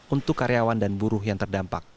untuk karyawan dan buruh yang terdampak